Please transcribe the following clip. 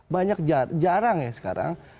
banyak jarang ya sekarang